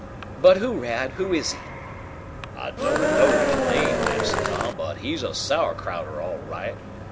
"But who, Rad? Who is he?" "I don't know his name, Massa Tom, but he's a Sauerkrauter, all right.